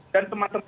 dan teman teman dpr